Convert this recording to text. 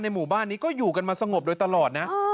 หมู่บ้านนี้ก็อยู่กันมาสงบโดยตลอดนะ